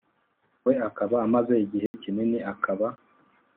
we akaba amaze igihe kinini akaba